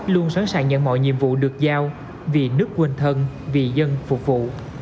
luôn sẵn sàng nhận mọi nhiệm vụ được giao vì nước quên thân vì dân phục vụ